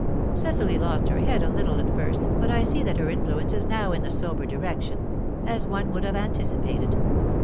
"Cecily lost her head a little at first, but I see that her influence is now in the sober direction, as one would have anticipated.